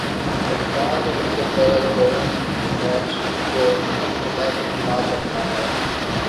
کپتان کا سب سے برا جرم میچ کو فنش نہ کرنا ہے